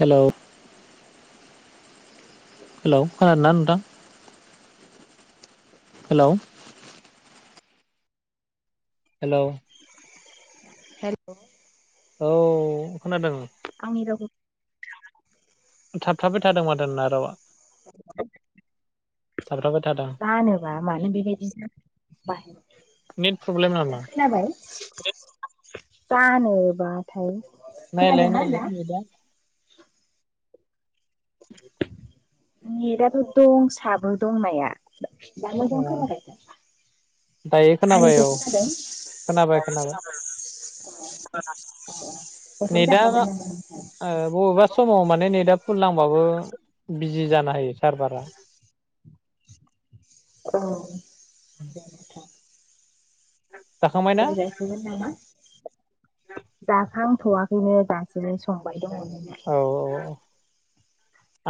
हेल' hello खोनादों ना नोंथां? हेलौ। हेलौ। हेलौ औ खोनादों आंनि रावखौ खो थाब थाबाय थादों माथो नोंना रावा [inaudible] थाबथाबाय थादों जानोबा मानो बेबायदि जायो बाहेराव नेट प्रब्लेम दा‌ नामा खोनाबाय जानोबा थाय खोनादोंना आदा नेटा नेटाथ' साबो दंनाया दा मोजां अ खोनाबाय दायो खोनाबाय औ आंनि खोनादों खोनाबाय खोनाबाय [unintelligible] [unintelligible] ओंखाम जाखांबाय नेटआ नामा ओमफाय ओ बबेबा समाव माने नेदआ फुलनांबाबो बिजि जानाहोयो सारभारा। औ बेनोथ जाखांबायना रालायजासिगोन नामा जाखांथ'वा बेनो दासो संबाय दंङो जोंहा। अ-अ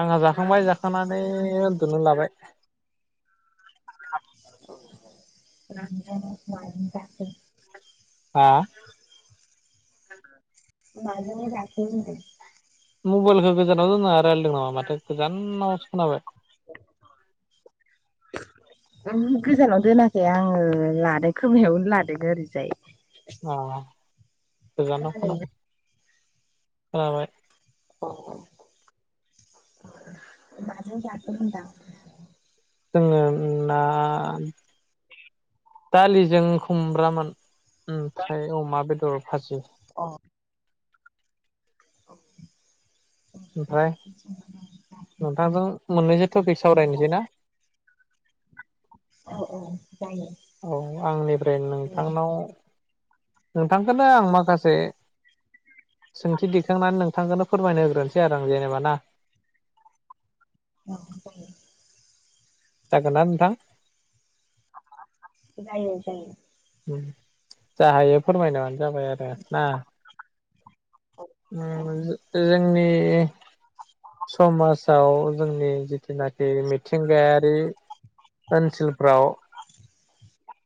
आंहा जाखांबाय जाखांनानै उन्दुनो लाबाय। [unintelligible] हा मादोबा जाखो होनदो। मबाइलखो गोजानाव दोना रायलायदों नामा माथो गोजानावसो खोनाबाय। [inaudible] उम गोजानाव दोनाखै आङो लादों खोमायावनो लादों ओरैजाय। अ गोजानाव खोनादों खोनाबाय। अ-अ माजों जादों होनदों आं। जोङो ना दालिजों खुमब्रामोन। ओमफ्राय अमा बेदर भाजि। अ [unintelligible] ओमफ्राय नोंथांजों मोननैसो टपिक सावरायनोसै ना। अ औ जायो। औ आंनिफ्राय औ नोंथांनाव नोंथांखोनो आं माखासे सोंथि दिखांनानै नोंथांखोनो फोरमायनोहोग्रोनोसै आं जेनेबा ना। औ जायो। जागोना नोंथां? जायो-जायो। उम जा हायो फोरमायनानो जाबाय आरो ना। औ उम जोंनि समाजाव जोंनि जिनाखि मिथिंगायारि ओनसोलफ्राव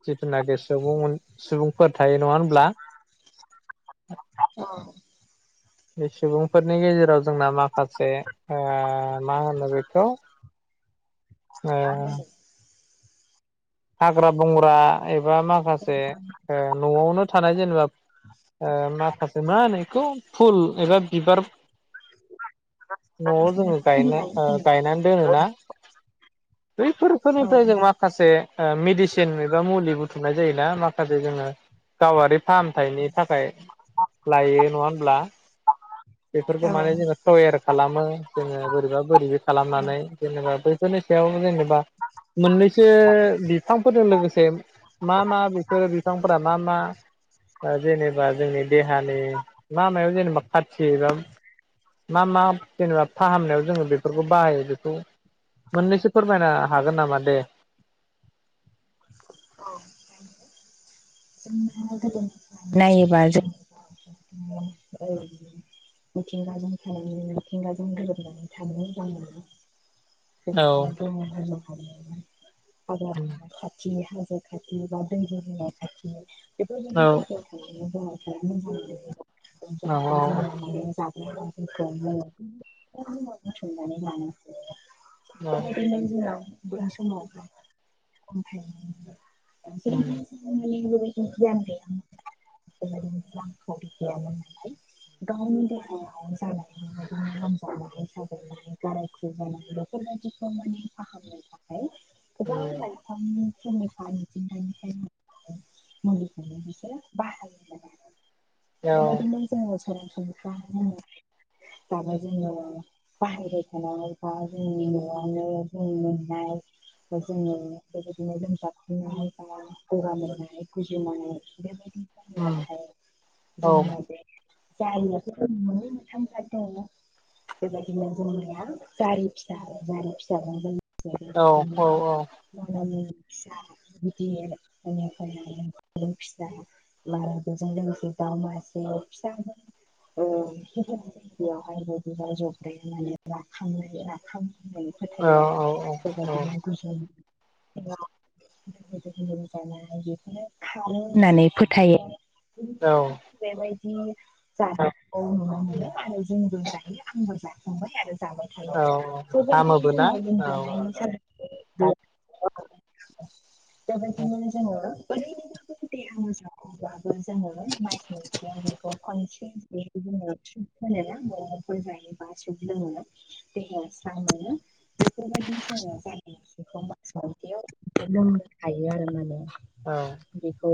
जिथुनाखि सुबुं सुबुंफोर थायो नङा होनब्ला? [unintelligible] उम। बे सुबुंफोरनि गेजेराव जोंना मा खासे ओ आ मा होनो बेखौ ओ मा होनो हाग्रा बंग्रा एबा माखासे ओ न'आवनो थानाय जेनेबा ओ माखासे मा होनो इखौ फुल एबा बिबार न'आव जोङो बिफां गायनो ओ बिलाइ गायनानै दोनोना बैफोर औ फोरनिफ्राइ जोंमा माखासे ओ मेडिसिन एबा मुलि बुथुमनाय जायोना माखासे जोङो। गावारि फाहामथायनि थाखाय लायो नङा होमब्ला? बेफोरखो औ माने जोङो सयेर खालामो जोङो बोरैबा बोरैबि खालामनानै जेनेबा बैफोरनि सायाव जेने बा मोननैसो बिफांफोरजों लोगोसे मा-मा बेफोर बिफांफोरा मा-मा ओ जेनेबा जोंनि देहानि मा मायाव जेनेबा खाथिगोन। मा-मा जेनेबा फाहामनायाव जोङो बे फोरखौ बाहायो बेखौ मोननैसो फोरमायनो हागोन नामा दे? औ उम। [unintelligible] नायोबा जो औ मिथिंगाजों खालामनो मिथिंगाजों गोरोबनानै थानो मोजां मोनो। औ [inaudible] खाथिनि हाजो [inaudible] बेफोरबादि औ जाइगायाव थायोबा जोंहा औ जाहाथे जोंहा माने जा [inaudible] औ [inaudible] बै समाव [unintelligible] [inaudible] [inaudible] [inaudible] रांखावरि गैयामोन ओमफ्राय गावनि देहायाव जानाय लोमजानाय साजानायनि जाबै गाराय खुजानाय बेफोरबायदिखौ माने फाहामनो थाखाय गोबां लाइफांनि फेनना बा मिथिंगानि मोननाय मुलिखौनो बिसोरो बाहायोमोन बेबायदिनो जोङो सरासनस्रा जाबा जोङो बाहेरायाव थानाय बा जोंनि न'आनो जों मोननाय जोङो बेबायदिनो लोंजा गगा मोननाय गुजुनाय बेबायदि जाहोबाथाय जोंनिया बे जारियाथ' जों मोननै मोनथाम जाद दंना बेबायदिनो जोंनिया जारि फिसा आरो जारि फिसाबानो जों औ औ औ। [inaudible] फिसा गिदिर बिदि फिसा [inaudible] बेयावहाय [unintelligible] राखां राखां जायो। औ फोथायो आरो बेबादिनो गोजोन बेखौनो खारै होननानै फोथायो। औ। दिनैसिमबो बेबायदि जानायखौ नुनो मोनो आरो जोंबो जायो आंबो जाखांबाय आरो जाबाय थायो आरो। औ बेबायदि हामोबो ना जोङो औ लोमजानाय साजानाय बेबादिनो जोङो बै देहा मोजाङाव अब्लाबो जोङो मास मोनसेयाव बेखौ खनसे [unintelligible] [inaudible] बेफोरबायदि जोङो [inaudible] लोंनो हायो आरो माने। औ। बेखौ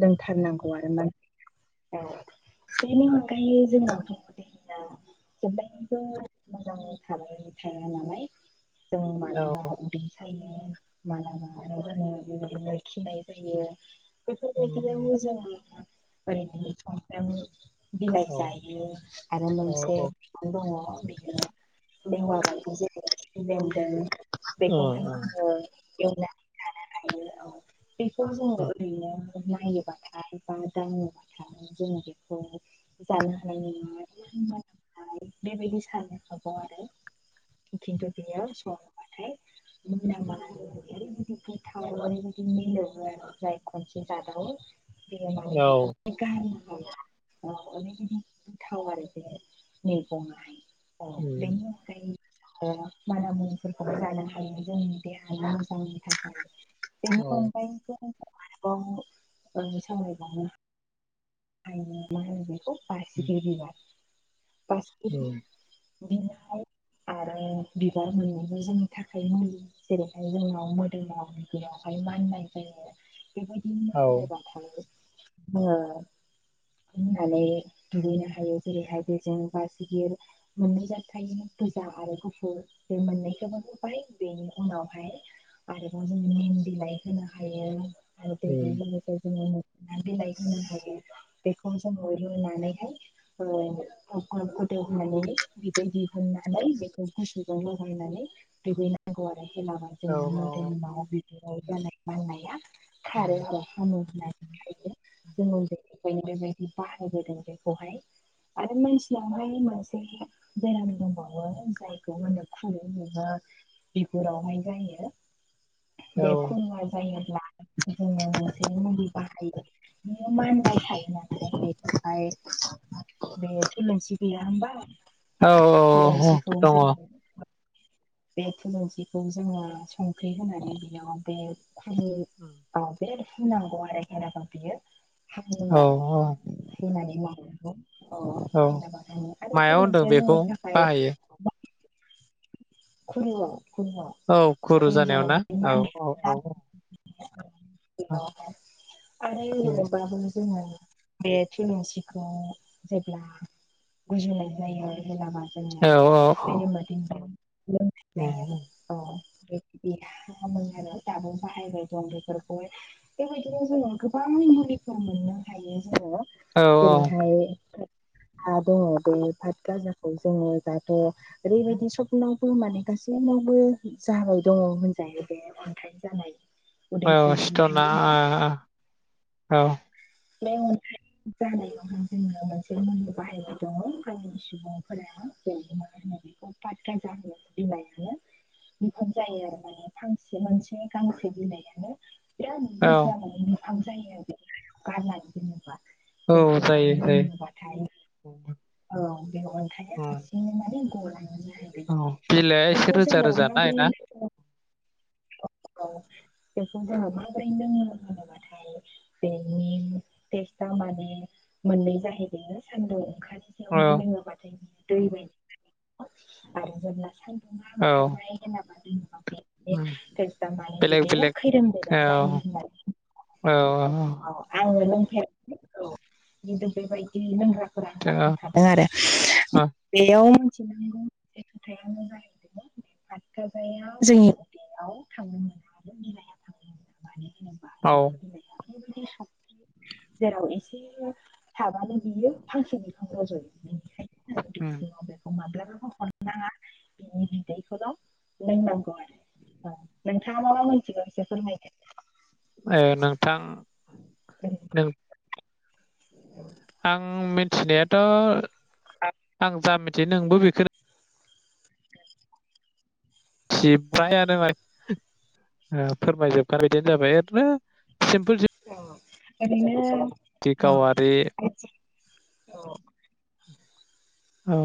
लोंथारनांगौ आरो [inaudible] [inaudible] [inaudible] जों मालाबा उदै सायो मालाबा [inaudible] खिनाय जायो बेफोरबायदियावबो जोङो ओरैनो सानफ्रामबो बिलाइ औ जायो आरो औ मोनसे औ आरो दं [inaudible] खिफि बेन्दों औ बेखौहाय जोङो एवनानै जानो हायो औ। बेखौ जोङो औ ओरैनो नायोबाथाय बा दाङोबाथाय जोङो बेखौ जानो हानाय नङा [inaudible] बेबायदि सानो हागौ आरो। खिन्थु बेयो संबाथाय [inaudible] गोथाव ओरैबायदि मिलौवो आरो जाय खनसे जादावो बेयो माने दङ बेखौ [inaudible] गोथाव आरो बे मैगङाहाय। औ बेनि औ [inaudible] [inaudible] आरो मा होनो बेखौ बसिगिर बिबार बसिगिर बिलाइ आरो बिबार मोनैबो जोंनि थाखाय मुलि जेरैहाय जोंनाव मोदोमावहाय बिगुरआ माननाय जायो [inaudible] रुनानै दुगैनो हायो जेरैहाय बेजों बासिगिर मोननै जाथ थायोना गोजा आरो गुफुर बे मोननैखौबो होबाय बेनि उनावहाय आरोबाव जोङो निम बिलाइ होनो हायो। आरो बेजों लोगोसे जों मोखोना बिलाइ होनो हायो। बेखौ जोङो रुनानैहाय ओ ग्लब ग्लब गोदौहोनानै बिदै दिहुन्नानै बेखौ गुसुजों लगायनानै दुगैनांगौ आरो हेलाबा जोंनि मोदोमनि [inaudible] माननाया खारो आरो हामो [inaudible] नो बेबायदि बाहायबोदों बेखौहाय आरो [inaudible] बेराम दंबावो जायखौ होनो खुरु बेबो बिगुरावहाय जायो। बे खुरुवा जायोब्ला जोङो मोनसे मुलि बाहायो बेयो मानबाय थायो नालाय बेखौहाय बे थुलनसि गैया होमबा थुलुनसिखौ जों बे थुलुनसिखौ जोङो सं ख्रि होनानै बेयाव बे खुरु आव बे हुनांगौ आरो हेनाखौ बियो ओ औ हुनांगौ आरो बे अ औ जेनेबा आरो मायाव होनदों थुलुनसि बेखौ जोंनि थाखाय बाहायो खुरु खुरुयाव औ गुरु खुरु जानायाव ना जानानै जे औ मानो औ औ औ बेयावहाय आरो उम, अरबाबो जोङो बे थुुलुनसिखौ जेब्ला गुजुनाय जायो जेलाबा जोङो औ औ बेरेमोदैजों लोंनाय जायो उम, औ बेबायदिमोन आरो दाबो बाहायबाय दं बेफोरखौहाय बेबायदिनो जोङो गोबां मुलिफोर मोननो हायो जोङो औ जेरैहाय हा दङ बै पात गाजाखौ जोङो दाथ' ओरैबायदि सबनावबो माने गासैनावबो जाबाय दङ होनजायो बे अन्थाय जानाय औ उदैसिं अन्थाइ सिथावना जानाया औ बे ओमफ्राय जानायावहाय जोङो मोनसे मुलि बाहायबाय दङ गामिनि सुबुंफोरा जे मा होननानै औ फात गाजा होन्नाय बिलाइखौ बेफोर जायो आरो माने फांसे मोनसे गांसे बिलायानो बिराद औ बुरजा माने बिफां जायो आरो गारनानै दोनोब्ला। बेखौहाय जायो जायो लोंङोबाथाय उम, औ बे अन्थाया औ माने गलाङो जाहैबाय औ बिलाइआ एसे बिखौ रोजा जोङो रोजा नाय माब्रै ना औ औ बेखौ जोंहा माब्रै लोङो होनोबाथाय नि टेस्टा माने मोननै जाहैदों सान्दुं ओंखार नै लोङो बाथाय दै बादि लांदां आरो जेब्ला सान्दुङा ओंखारबाय होनाबानो दोना बे बे उम, फात गाजानि बेलेग बिदैया बेलेग खैरोम दैरोम औ जायो होननानै औ औ आङो लोंफेराखै औ खिनथु बेबायदि लोंग्रा फोरा औ आंनो खिनथादों आरो औ बेयाव जोंनि खोथायानो जाहैदों फातगाजायाव जोंनि बेयाव थांदोंमोन बुजिया मानो होनोबा औ ओरैबायदि जेराव एसे थाबानो बियो फांसे बिफां रज'यो। बेनिखायनो उदै उम सिङाव बेखौ माब्लाबाबो हमनाङा बिनि बिदैखौल' लोंनांगौ आरो। नोंथा मा मा मोनथिगौ एसे फोरमायदो। ए नोंथां नों आं मिथिनायाथ' आं जा मिथियो नोंबो बेखौनो मिथि जोबायानो ओ फोरमायजोबखानाय बायदियानो जाबाय ओरैनो सिम्पोल औ ओरैनो जिउनि गावारि औ औ औ औ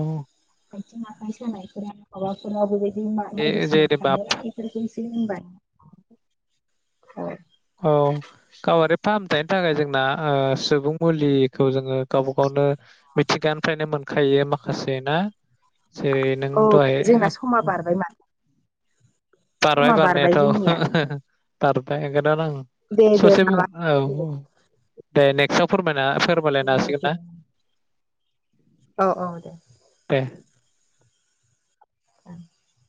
आथिं आखाइ सानायफोरा माबाफोराव बेबायदि बे बायदिसिना खानो इफोरखौ एसो होनबानो लांदां [unintelligible] औ गावारि फाहामथायनि थाखाय जोंना सुबुं मुलिखौ जोङो गावबा गावनो मिथिगानिफ्रायनो मोनखायो माखासे ना जेरै नों औ दहाय जोंना समा बारबाय माथो? बारबाय बारनायाथ' जोंनिया बारबाय ओंखायनो आं दे दे ससे बुं माबा औ औ दे नेक्स्टआव फोरमायना फोरमायलायनो हसिगोन ना? औ औ दे। े [unintelligible] [inaudible]